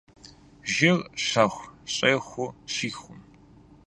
Жьыр щэхуу щӏехур щихум.